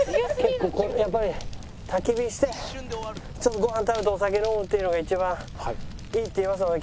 やっぱり焚き火してちょっとご飯食べてお酒飲むっていうのが一番いいっていいますもんね